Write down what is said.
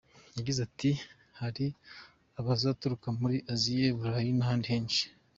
Yagize ati “Hari abazaturuka muri Asia,u Burayi n’ ahandi henshi.